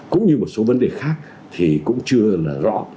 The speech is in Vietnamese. cũng như một số vấn đề khác thì cũng chưa rõ